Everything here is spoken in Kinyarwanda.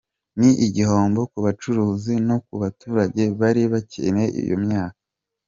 Ni igihombo ku bacuruzi, no ku baturage bari bakeneye iyo myaka.